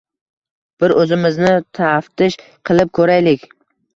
Bir o‘zimizni taftish qilib ko‘raylik.